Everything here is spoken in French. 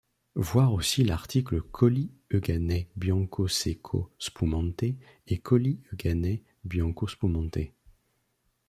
Voir aussi l’article Colli Euganei bianco secco spumante et Colli Euganei bianco spumante.